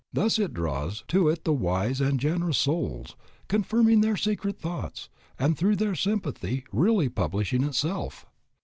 Thus it draws to it the wise and generous souls, confirming their secret thoughts, and through their sympathy really publishing itself."